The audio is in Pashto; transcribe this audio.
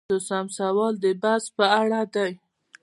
اته پنځوسم سوال د بست په اړه دی.